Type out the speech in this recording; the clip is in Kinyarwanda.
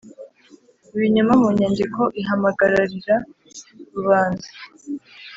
Ibinyoma mu nyandiko ihamagararira rubanda